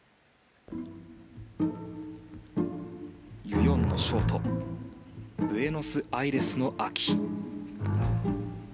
ユ・ヨンのショート「ブエノスアイレスの秋」。